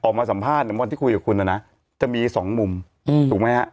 ออกมาสัมภาษณ์วันที่คุยกับคุณนะนะจะมีสองมุมถูกไหมฮะ